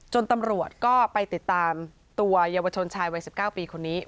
ตำรวจก็ไปติดตามตัวเยาวชนชายวัย๑๙ปีคนนี้